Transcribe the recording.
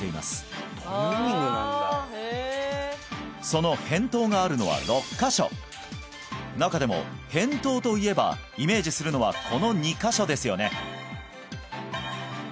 その扁桃があるのは６カ所中でも扁桃といえばイメージするのはこの２カ所ですよね